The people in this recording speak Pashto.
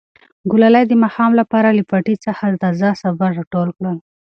ګلالۍ د ماښام لپاره له پټي څخه تازه سابه ټول کړل.